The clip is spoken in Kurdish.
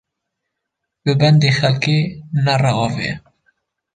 Bi bendê xelkê nere avê